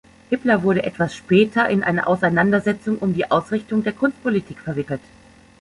Hippler wurde etwas später in eine Auseinandersetzung um die Ausrichtung der Kunstpolitik verwickelt.